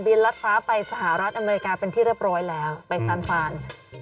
ลัดฟ้าไปสหรัฐอเมริกาเป็นที่เรียบร้อยแล้วไปซานฟาน